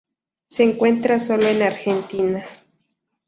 Se encuentra sólo en Argentina.